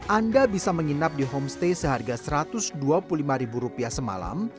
anda bisa menginap di homestay seharga satu ratus dua puluh lima ribu rupiah semalam